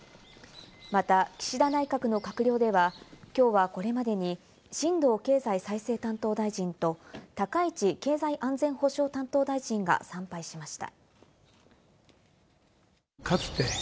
また岸田内閣の閣僚では、きょうはこれまでに新藤経済再生担当大臣と高市経済安全保障担当大臣が参拝しました。